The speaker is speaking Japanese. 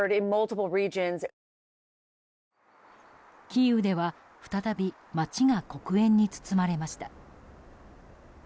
キーウでは再び街が黒煙に包まれました。